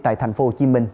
tại thành phố hồ chí minh